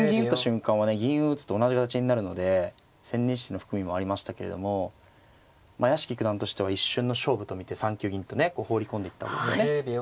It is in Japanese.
銀を打つと同じ形になるので千日手の含みもありましたけれども屋敷九段としては一瞬の勝負と見て３九銀とね放り込んでいったわけですよね。